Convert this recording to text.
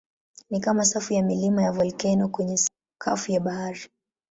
Ni kama safu ya milima ya volkeno kwenye sakafu ya bahari.